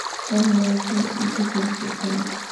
তাহলে আপনি উঠেছেন কোথায়?